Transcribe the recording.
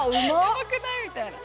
ヤバくないみたいな。